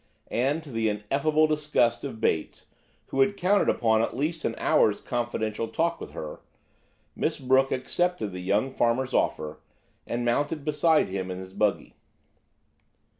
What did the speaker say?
And to the ineffable disgust of Bates, who had counted upon at least an hour's confidential talk with her, Miss Brooke accepted the young farmer's offer, and mounted beside him in his buggy.